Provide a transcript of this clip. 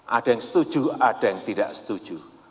ada yang setuju ada yang tidak setuju